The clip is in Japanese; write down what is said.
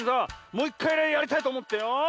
もういっかいやりたいとおもってよ。